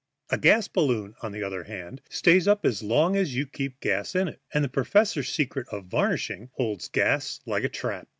A gas balloon, on the other hand, stays up as long as you keep gas in it, and the professor's secret of varnishing holds gas like a trap.